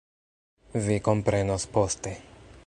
Vi komprenos poste.